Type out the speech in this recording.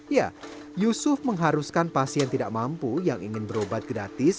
ya yusuf mengharuskan pasien tidak mampu yang ingin berobat gratis